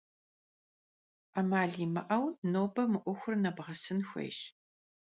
'emal yimı'eu nobe mı 'uexur nebğesın xuêyş.